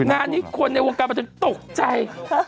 นางนี่ควรในวงการประจำความตกใจ